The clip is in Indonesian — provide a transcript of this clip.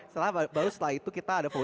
setelah itu kita ada voting